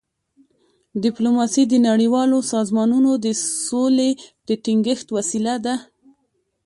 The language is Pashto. ډيپلوماسي د نړیوالو سازمانونو د سولي د ټینګښت وسیله ده.